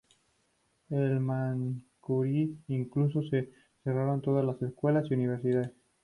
En Manchuria incluso se cerraron todas las escuelas y universidades.